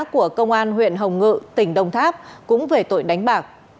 của công an huyện hồng ngự tỉnh đồng tháp cũng về tội đánh bạc